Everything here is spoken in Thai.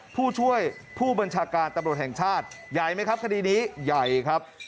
ผู้ช่วยผู้บัญชาการตำรวจแห่งชาติใหญ่ไหมครับคดีนี้ใหญ่ครับ